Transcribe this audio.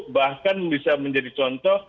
bahkan bisa menjadi contoh